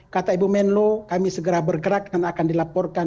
kata ibu menlo kami segera bergerak dan akan dilaporkan